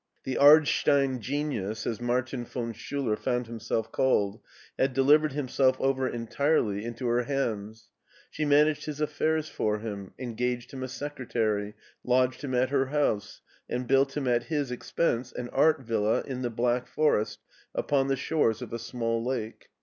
The " Ard stein Genius," as Martin von Schiiler found himself called, had delivered himself over entirely into her hands ; she managed his affairs for him, engaged him a secretary, lodged him at her house, and built him at his expense an art villa in the Black Forest, upon the shores of a small lake.